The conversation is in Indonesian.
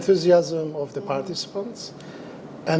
kegembiraan para pelanggan